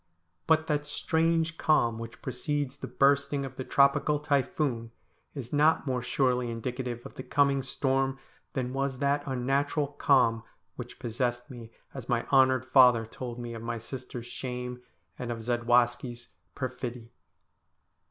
But that strange calm which precedes the bursting of the tropical typhoon is not more surely indicative of the coming storm than was that unnatural calm which possessed me as my honoured father told me of my sisters' shame, and of Zadwaski's perfidy.